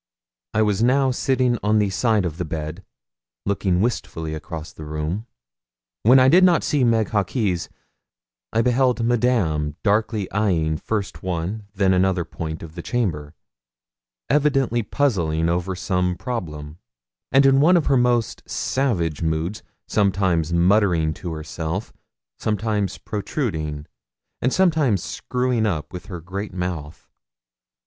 I was now sitting on the side of the bed, looking wistfully across the room. When I did not see Meg Hawkes, I beheld Madame darkly eyeing first one then another point of the chamber, evidently puzzling over some problem, and in one of her most savage moods sometimes muttering to herself, sometimes protruding, and sometimes screwing up her great mouth.